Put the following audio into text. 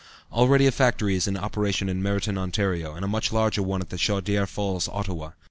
Already a factory is in operation in Merritton, Ontario, and a much larger one at the Chaudiere Falls, Ottawa.